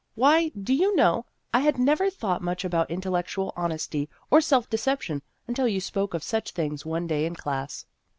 Why, do you know, I had never thought much about intellectual honesty or self deception, until you spoke of such things one day in class."